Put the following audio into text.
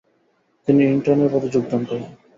তিনি ইন্টার্নের পদে যোগদান করেন।